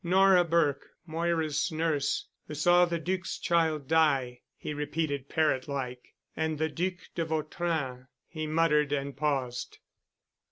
"Nora Burke—Moira's nurse—who saw the Duc's child die," he repeated parrot like, "and the Duc—de Vautrin——" he muttered and paused.